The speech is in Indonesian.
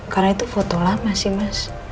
karena itu foto lama sih mas